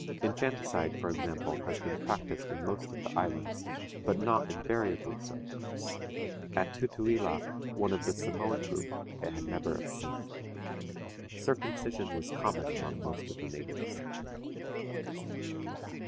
Infanticide, for example, has been practiced in most of the islands, but not invariably so. At Tutuila, one of the Samoan group, it had never obtained. Circumcision was common among most of the natives.